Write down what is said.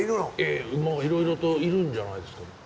ええ馬がいろいろといるんじゃないですか。